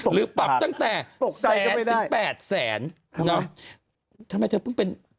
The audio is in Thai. หรือปลับตั้งแต่๑๑๘แสนเนอะทำไมเธอเพิ่งเป็น